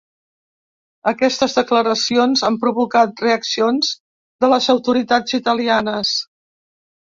Aquestes declaracions han provocat reaccions de les autoritats italianes.